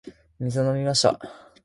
水を飲みました。